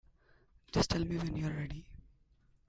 Just tell me when you're ready.